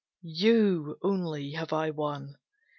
You only have I won!